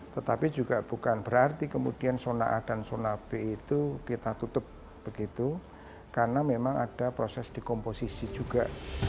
tetapi juga bukan berarti kemudian zona a dan zona b itu kita tutup begitu karena memang ada proses di komposisi juga